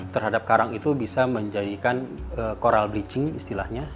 terhadap karang itu bisa menjadikan coral bleaching istilahnya